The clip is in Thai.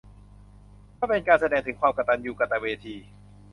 ก็เป็นการแสดงถึงความกตัญญูกตเวที